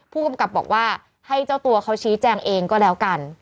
ผู้กำกับบอกว่าให้เจ้าตัวเขาชี้แจงเองก็แล้วกัน